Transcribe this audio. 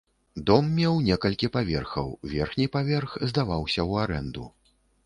Дом меў некалькі паверхаў, верхні паверх здаваўся ў арэнду.